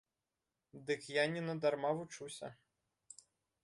Дык я не на дарма вучуся.